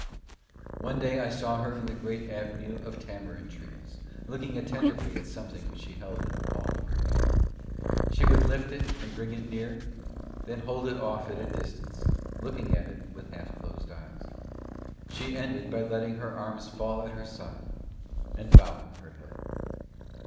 One day I saw her in the great Avenue of Tamarind Trees looking attentively at something which she held in the palm of her hand; she would lift it and bring it near then hold it off at a distance, looking at it with half closed eyes. She ended by letting her arms fall at her side, and bowing her head.